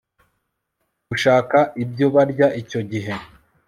gushaka ibyo barya icyo gihe